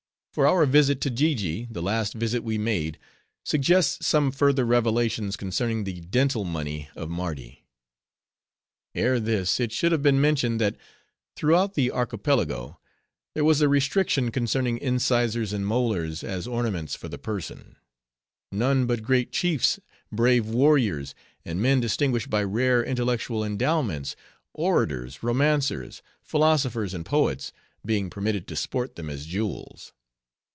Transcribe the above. For our visit to Jiji, the last visit we made, suggests some further revelations concerning the dental money of Mardi. Ere this, it should have been mentioned, that throughout the Archipelago, there was a restriction concerning incisors and molars, as ornaments for the person; none but great chiefs, brave warriors, and men distinguished by rare intellectual endowments, orators, romancers, philosophers, and poets, being permitted to sport them as jewels.